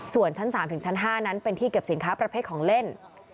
ส่วนชั้น๓ถึงชั้น๕นั้นเป็นที่เก็บสินค้าประเภทของเล่น